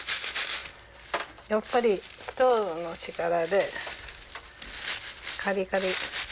やっぱりストーブの力でカリカリ。